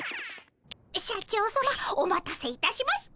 社長さまお待たせいたしました。